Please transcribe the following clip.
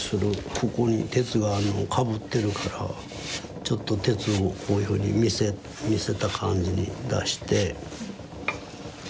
ここに鉄がかぶってるからちょっと鉄をこういうふうに見せた感じに出して。